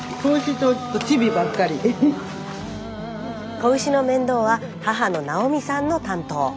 子牛の面倒は母の奈緒美さんの担当。